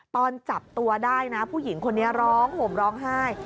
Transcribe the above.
ตอนจับตัวได้นะผู้หญิงคนนี้ร้องห่มร้องไห้